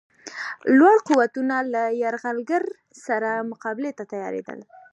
لوی قوتونه له یرغلګر سره مقابلې ته تیارېدل.